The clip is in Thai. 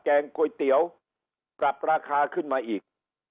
งก๋วยเตี๋ยวปรับราคาขึ้นมาอีก